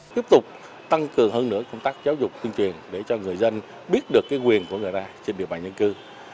tiếp tục tăng cường hơn nữa công tác giáo dục tuyên truyền để cho người dân biết được quyền của người ta trên địa bàn nhân cư